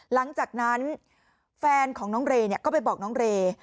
หลังจากนั้นแฟนของน้องเรย์ก็ไปบอกน้องเรย์